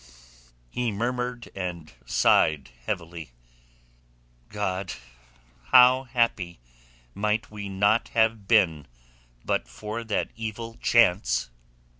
he murmured, and sighed heavily. "God! How happy might we not have been but for that evil chance...."